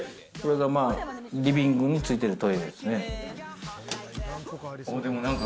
リビングについてるトイレですね。